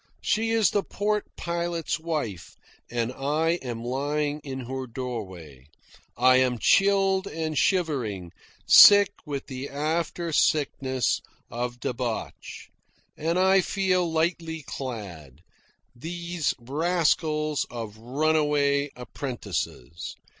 She is the port pilot's wife and I am lying in her doorway. I am chilled and shivering, sick with the after sickness of debauch. And I feel lightly clad. Those rascals of runaway apprentices!